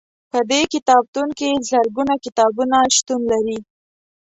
په دې کتابتون کې زرګونه کتابونه شتون لري.